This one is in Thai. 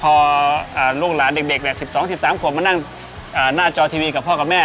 พอลูกหลานเด็ก๑๒๑๓ขวบมานั่งหน้าจอทีวีกับพ่อกับแม่